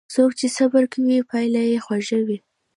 څوک چې صبر کوي، پایله یې خوږه وي.